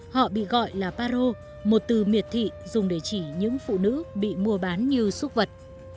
họ bị gọi là paro một từ miệt thị dùng để chỉ những phụ nữ bị mua bán như xúc vật